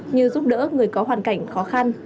như giúp đỡ người có hoàn cảnh khó khăn